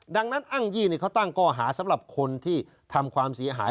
ดังนั้นอ้างยี่เขาตั้งก้อหาสำหรับคนที่ทำความเสียหาย